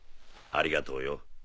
ありがとうよ